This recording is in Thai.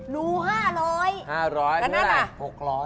รู๕๐๐ตรงนั้นอะ๕๐๐เท่าไหร่